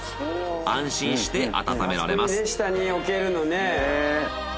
安心して温められます。